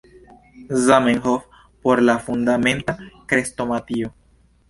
Zamenhof por la Fundamenta Krestomatio.